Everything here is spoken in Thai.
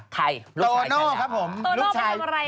ใครรุ่นชายทางเดียวคะ